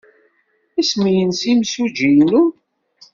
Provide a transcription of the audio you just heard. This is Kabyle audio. Isem-nnes yimsujji-inu?